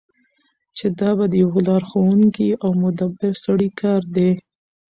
چی دا د یو لارښوونکی او مدبر سړی کار دی.